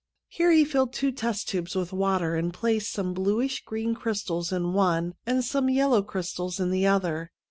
Here he filled two test tubes with water, and placed some bluish green crystals in one and some yellow crystals in the other.